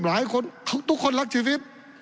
หลายคนทุกคนรักชีวิต